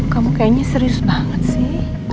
kamu kayaknya serius banget sih